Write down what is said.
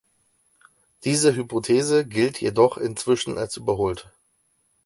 Diese Hypothese gilt jedoch inzwischen als überholt.